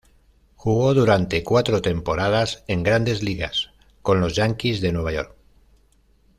Jugó durante cuatro temporadas en "Grandes Ligas" con los Yanquis de Nueva York.